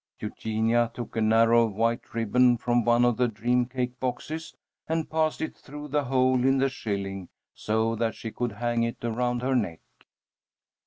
Eugenia took a narrow white ribbon from one of the dream cake boxes, and passed it through the hole in the shilling, so that she could hang it around her neck.